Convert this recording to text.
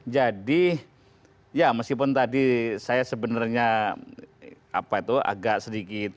jadi ya meskipun tadi saya sebenarnya agak sedikit